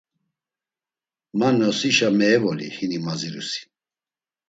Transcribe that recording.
Ma nosişa meevoli hini mazirusi.